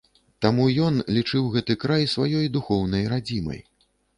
Таму ён лічыў гэты край сваёй духоўнай радзімай.